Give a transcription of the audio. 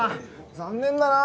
残念だなあ！